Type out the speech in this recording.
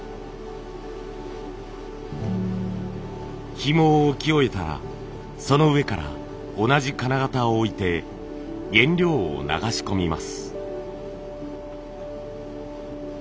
ひもを置き終えたらその上から同じ金型を置いて原料を流し込みます。